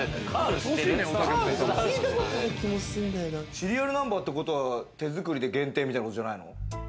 シリアルナンバーってことは手作りで限定みたいなことじゃないの。